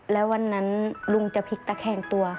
แล้ววันนั้นลุงจะพลิกตะแคงตัว